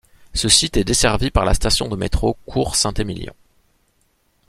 Ce site est desservi par la station de métro Cour Saint-Émilion.